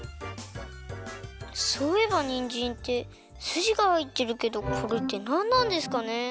そういえばにんじんってすじがはいってるけどこれってなんなんですかね？